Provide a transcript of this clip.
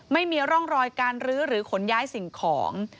ไม่มีร่องรอยการรื้อหรือขนย้ายสิ่งของ